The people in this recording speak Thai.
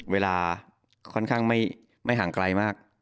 เวลาค่อนข้างไม่ห่างไกลมาก